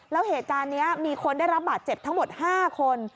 แล้วเหตุการณ์นี้มีคนได้รับบาดเจ็บทั้งหมด๕คน